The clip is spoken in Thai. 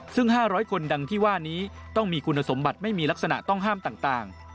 ซึ่ง๕๐๐คนดังที่ว่านี้ต้องมีคุณสมบัติไม่มีลักษณะต้องห้ามต่าง